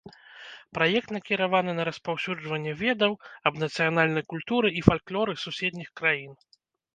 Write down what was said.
Праект накіраваны на распаўсюджванне ведаў аб нацыянальнай культуры і фальклоры суседніх краін.